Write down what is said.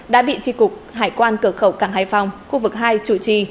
đã bị tri cục hải quan cửa khẩu cảng hải phòng khu vực hai chủ trì